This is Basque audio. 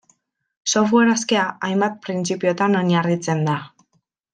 Software askea, hainbat printzipiotan oinarritzen da.